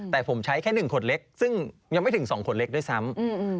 แต่ผมใช้แค่๑ขวดเล็กซึ่งยังไม่ถึง๒ขวดเล็กด้วยซ้ำ